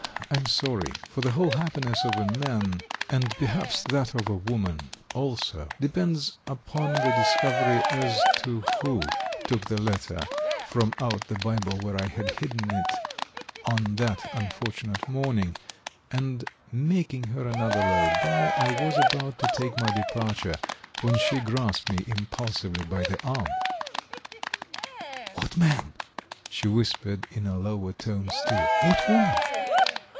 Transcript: I am sorry, for the whole happiness of a man, and perhaps that of a woman also, depends upon the discovery as to who took the letter from out the Bible where I had hidden it on that unfortunate morning." And making her another low bow, I was about to take my departure when she grasped me impulsively by the arm. "What man?" she whispered, and in a lower tone still, "What woman?"